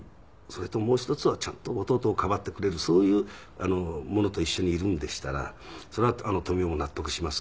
それともう一つはちゃんと弟をかばってくれるそういう者と一緒にいるんでしたらそれは富美男も納得しますけど。